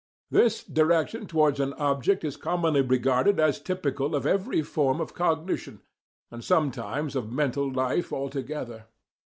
This direction towards an object is commonly regarded as typical of every form of cognition, and sometimes of mental life altogether.